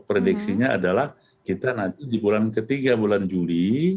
prediksinya adalah kita nanti di bulan ketiga bulan juli